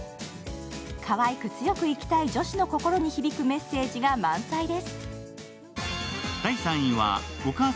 かわいく強く生きたい女子の心に響くメッセージが満載です。